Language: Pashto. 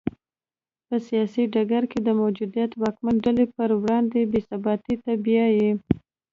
په سیاسي ډګر کې د موجودې واکمنې ډلې پر وړاندې بې ثباتۍ ته بیايي.